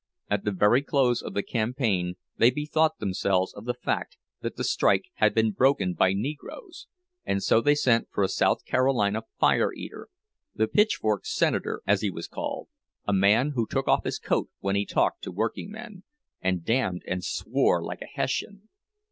At the very close of the campaign they bethought themselves of the fact that the strike had been broken by Negroes, and so they sent for a South Carolina fire eater, the "pitchfork senator," as he was called, a man who took off his coat when he talked to workingmen, and damned and swore like a Hessian.